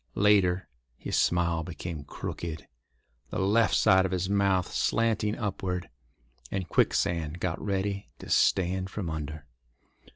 Later, his smile became crooked, the left side of his mouth slanting upward, and Quicksand got ready to stand from under.